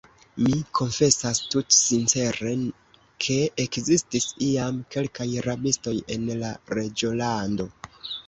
Mi konfesas tutsincere, ke ekzistis iam kelkaj rabistoj en la reĝolando.